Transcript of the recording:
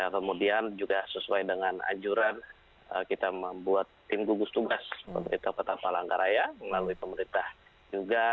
kemudian juga sesuai dengan anjuran kita membuat tim gugus tugas pemerintah kota palangkaraya melalui pemerintah juga